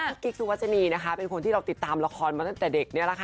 พี่กิ๊กชุวาเจี่นีเป็นคนที่เราติดตามละครมาตั้งแต่เด็กละค่ะ